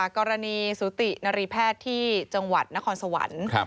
กรณีสุตินรีแพทย์ที่จังหวัดนครสวรรค์